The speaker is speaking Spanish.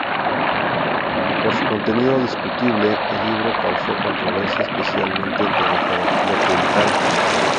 Por su contenido discutible, el libro causó controversia, especialmente entre la jerarquía clerical.